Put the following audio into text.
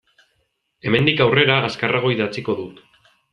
Hemendik aurrera azkarrago idatziko dut.